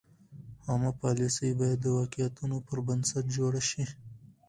عامه پالیسۍ باید د واقعیتونو پر بنسټ جوړې شي.